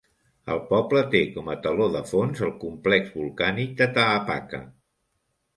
El poble té com a teló de fons el complex volcànic de Taapaca.